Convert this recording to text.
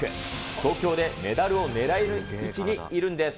東京でメダルを狙える位置にいるんです。